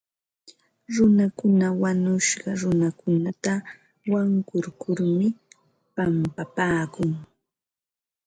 Runakuna wañushqa runakunata wankurkurmi pampapaakun.